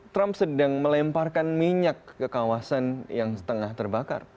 trump sedang melemparkan minyak ke kawasan yang tengah terbakar